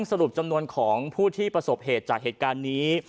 สรุปจำนวนของผู้ที่ประสบเหตุจากเหตุการณ์นี้